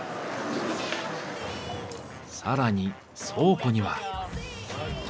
更に倉庫には。